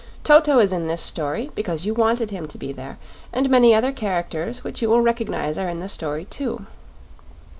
Toto is in this story, because you wanted him to be there, and many other characters which you will recognize are in the story, too.